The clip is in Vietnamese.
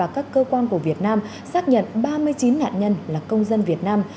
các cơ quan của việt nam xác nhận ba mươi chín nạn nhân là công dân việt nam